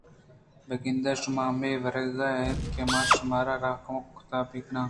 بہ گندے شما ہمے مارگ ءَ اِت کہ من شما را کمک کُت بہ کناں